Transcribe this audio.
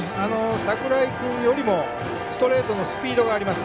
櫻井君よりもストレートもスピードがあります。